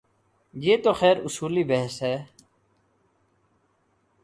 یہ تو خیر اصولی بحث ہے۔